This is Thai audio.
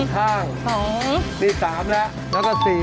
ให้ออกจากกันแบบนี้แล้วต้องตี